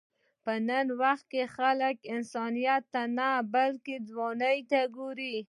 په نن وخت کې خلک انسانیت ته نه، بلکې ځوانۍ ته ګوري.